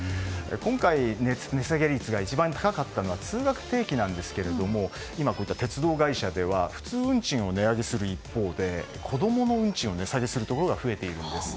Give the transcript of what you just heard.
今回値下げ率が一番高かったのは通学定期ですが今、鉄道会社では普通運賃を値上げする一方で子供の運賃を値下げするところが増えているんです。